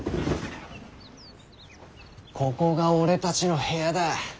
ここが俺たちの部屋だ。